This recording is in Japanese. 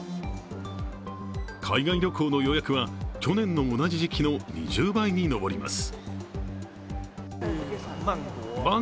海外旅行の予約は去年の同じ時期の２０倍に上ります。